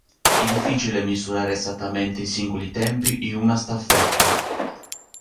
È difficile misurare esattamente i singoli tempi in una staffetta.